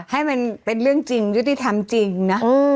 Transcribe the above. ให้มันเป็นเรื่องจริงยุติธรรมจริงนะ